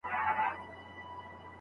د ژبي اعتبار د قوم اعتبار دی.